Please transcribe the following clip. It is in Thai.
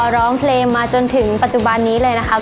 ร้องเพลงมาจนถึงปัจจุบันนี้เลยนะครับ